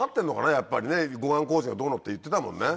やっぱりね護岸工事がどうのって言ってたもんね。